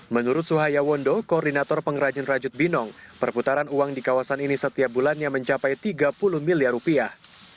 menurut suhaya wondo koordinator pengrajin rajut binong perputaran uang di kawasan ini setiap bulannya mencapai tiga puluh miliar rupiah